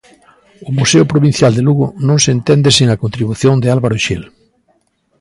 O Museo Provincial de Lugo non se entende sen a contribución de Álvaro Xil.